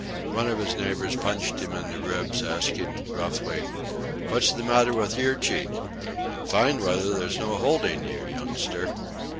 One of his neighbours punched him in the ribs asking roughly: "What's the matter with your cheek? In fine weather there's no holding you, youngster."